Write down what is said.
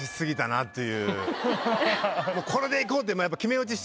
もうこれでいこうって。